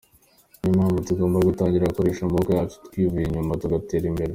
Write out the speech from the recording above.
Niyo mpamvu tugomba gutangira gukoresha amaboko yacu twivuye inyuma tugatera imbere.